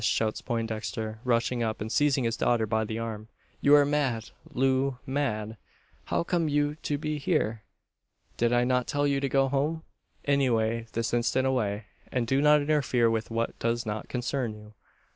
shouts Poindexter, rushing up, and seizing his daughter by the arm. "You are mad Loo mad! How come you to be here? Did I not tell you to go home? Away this instant away; and do not interfere with what does not concern you!"